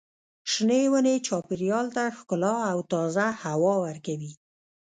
شنې ونې چاپېریال ته ښکلا او تازه هوا ورکوي.